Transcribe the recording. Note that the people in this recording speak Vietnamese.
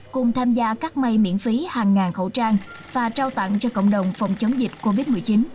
cùng tham gia các may miễn phí hàng ngàn khẩu trang và trao tặng cho cộng đồng phòng chống dịch covid một mươi chín